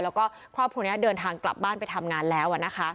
แล้วก็ครอบครัวนี้เดินทางกลับบ้านไปทำงานแล้วนะคะ